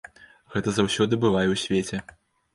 Гэта заўсёды бывае ў свеце.